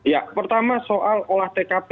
ya pertama soal olah tkp